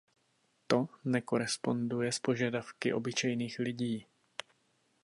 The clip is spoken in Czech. To nekoresponduje s požadavky obyčejných lidí.